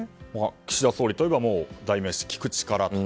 岸田総理といえば代名詞、聞く力と。